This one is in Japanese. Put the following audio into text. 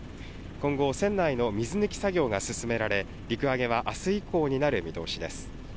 今後、船内の水抜き作業が進められ、陸揚げはあす以降になる見通しです。